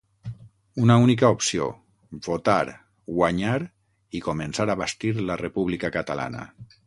Una única opció: votar, guanyar i començar a bastir la república catalana.